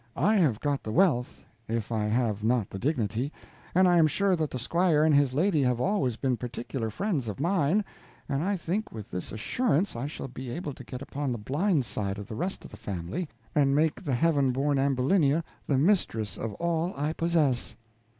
I have got the wealth, if I have not the dignity, and I am sure that the squire and his lady have always been particular friends of mine, and I think with this assurance I shall be able to get upon the blind side of the rest of the family and make the heaven born Ambulinia the mistress of all I possess."